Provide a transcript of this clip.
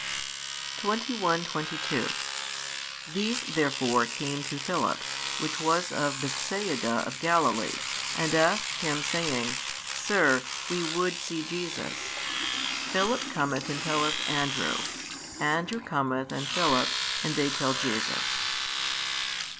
21, 22 These therefore came to Philip which was of Bethsaida of Galilee, and asked him, saying, Sir, we would see Jesus. Philip cometh and telleth Andrew: Andrew cometh and Philip, and they tell Jesus.